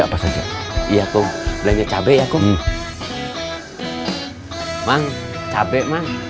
waalaikumsalam kang nga ceng